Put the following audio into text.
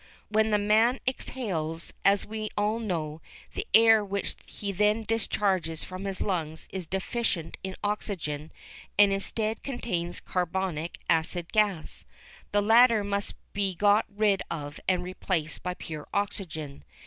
When the man exhales, as we all know, the air which he then discharges from his lungs is deficient in oxygen and instead contains carbonic acid gas. The latter must be got rid of and replaced by pure oxygen.